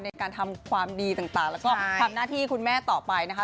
ในการทำความดีต่างแล้วก็ทำหน้าที่คุณแม่ต่อไปนะคะ